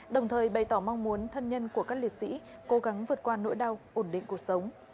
đồng thời bày tỏ mong muốn thân nhân của các liệt sĩ cố gắng vượt qua nỗi đau ổn định cuộc sống